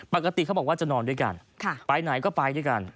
ปกติเขาบอกว่าจะนอนด้วยกันไปไหนก็ไปด้วยกัน